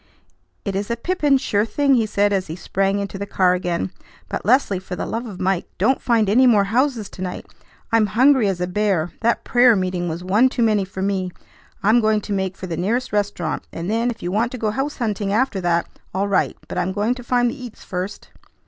"It is a pippin, sure thing," he said as he sprang into the car again; "but, Leslie, for the love of Mike, don't find any more houses to night! I'm hungry as a bear. That prayer meeting was one too many for me; I'm going to make for the nearest restaurant; and then, if you want to go house hunting after that, all right; but I'm going to find the eats first."